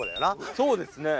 そうですね。